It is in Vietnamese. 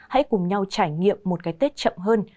hãy cùng nhau trải nghiệm một cái tết chậm hơn